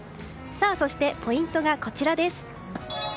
そしてポイントがこちらです。